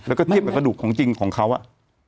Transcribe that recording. แล้วก็เทียบกับกระดูกของจริงของเขาอ่ะ